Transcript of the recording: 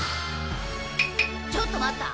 ちょっと待った。